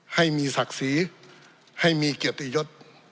ให้มีศักดิ์ศรีให้มีเกียรติยศ